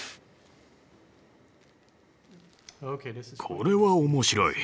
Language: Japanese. これは面白い。